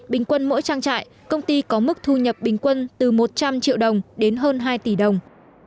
bình quân mỗi trang trại công ty có mức thu nhập bình quân từ một trăm linh triệu đồng đến hơn hai tỷ đồng